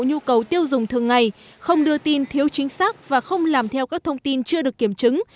nhu cầu tiêu dùng thường ngày không đưa tin thiếu chính xác và không làm theo các thông tin chưa được kiểm chứng